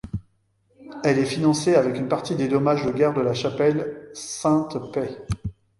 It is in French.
Elle est financée avec une partie des dommages de guerre de la chapelle Sainte-Paix.